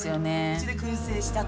うちで燻製した。